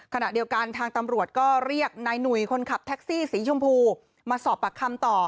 ขณะเดียวกันทางตำรวจก็เรียกนายหนุ่ยคนขับแท็กซี่สีชมพูมาสอบปากคำต่อ